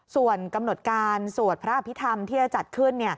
ส่วนกำหนดการสวดพระอภิษฐรรมที่จะจัดขึ้น